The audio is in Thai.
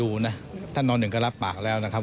ว่าในการทำสำนวนก็ได้นะครับ